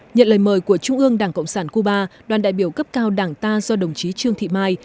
nhận lời mời của trung ương đảng cộng sản cuba đoàn đại biểu cấp cao đảng ta do đồng chí trương thị mai